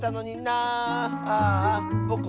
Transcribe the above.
ああぼく